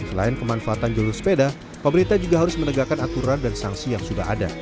selain kemanfaatan jalur sepeda pemerintah juga harus menegakkan aturan dan sanksi yang sudah ada